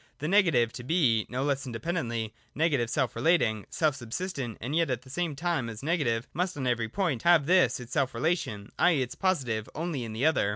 The Negative is to be, no less independently, negative self relating, self subsistent, and yet at the same time as Negative must on every point have this its self relation, i.e. its Positive, only in the other.